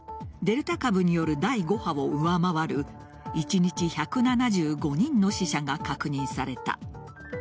デルタ株による第５波を上回る一日１７５人の死者が確認された。